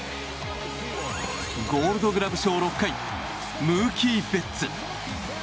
ゴールドグラブ賞６回ムーキー・ベッツ。